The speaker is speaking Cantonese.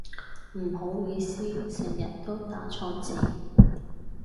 唔好意思成日都打錯字